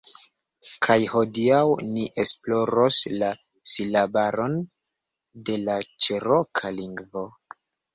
Kaj hodiaŭ ni esploros la silabaron de la Ĉeroka lingvo